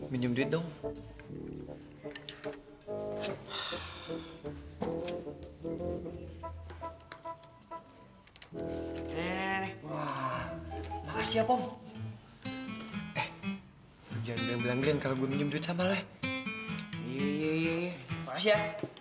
minum duit dong makasih ya pom eh jangan bleng bleng kalau gue minum duit sama leh iya iya iya makasih ya